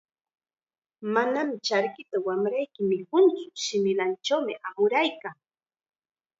"Manam charkita wamrayki mikuntsu, shimillanchawmi amuraykan."